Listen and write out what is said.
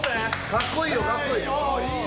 かっこいいよかっこいい